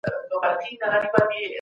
برتري په علم او پوهه کي ده.